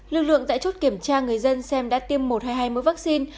lực lượng tại chốt kiểm tra người dân xem đã tiêm một hay hai mẫu vaccine